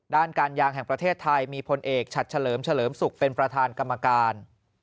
ด้านการยางแห่งประเทศไทยมีพลเอกฉัดเฉลิมเฉลิมศุกร์เป็นประธานกรรมการ